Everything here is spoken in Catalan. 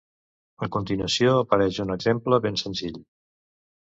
A continuació apareix un exemple ben senzill.